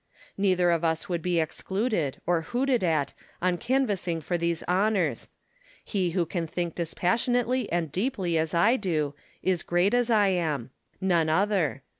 Neither of us would be excluded, or hooted at, on canvassing for these honours. He who can think LUCULLUS AND CAESAR. 277 dispassionately and deeply as I do, is great as I am ; none other.